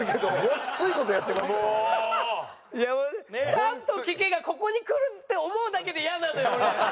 「ちゃんと聞け」がここにくるって思うだけでイヤなのよ俺。